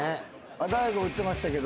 大悟言ってましたけど。